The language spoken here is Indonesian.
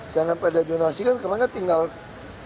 seandainya peraturan zonasi kan kemarin tinggal ketok palu